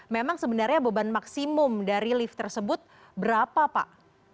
memang sebenarnya beban maksimum dari lift tersebut berapa pak